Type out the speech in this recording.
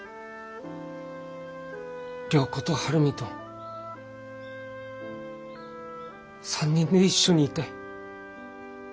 良子と晴海と３人で一緒にいたい。